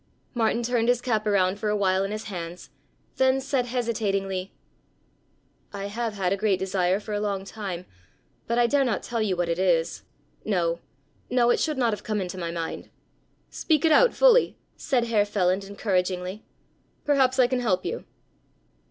Martin turned his cap around for a while in his hands, then said hesitatingly: "I have had a great desire for a long time, but I dare not tell you what it is; no, no, it should not have come into my mind." "Speak it out fully," said Herr Feland encouragingly, "perhaps I can help you."